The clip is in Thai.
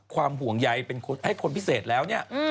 ความห่วงใยเป็นคนพิเศษแล้ว